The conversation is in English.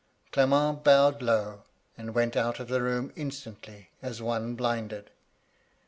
"Clement bowed low, and went out of the room instantly, as one blinded.